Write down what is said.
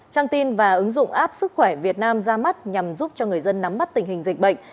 trang tin và ứng dụng app sức khỏe việt nam ra mắt nhằm giúp cho người dân nắm bắt tình hình dịch bệnh